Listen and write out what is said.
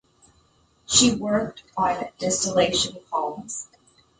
She worked on distillation columns.